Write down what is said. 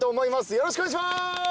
よろしくお願いします。